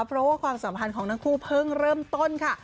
เพราะว่าความสัมพันธ์ของทั้งคู่เพิ่งเริ่มต้นค่ะ